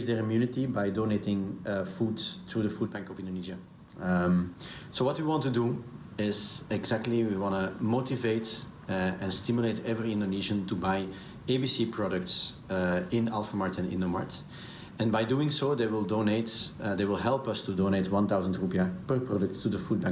dalam memberikan yang terbaik buat lansia adalah sangat diperlukan